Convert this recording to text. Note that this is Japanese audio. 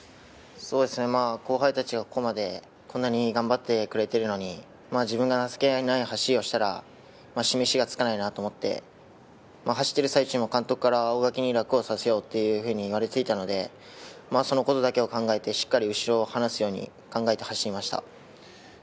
後輩たちがここまでこんなに頑張ってくれているのに、自分が情けない走りをしたら、示しがつかないなと思って、走ってる最中も監督から青柿に楽をさせようと言われていたので、そのことだけを考えて後ろを離すように走りました。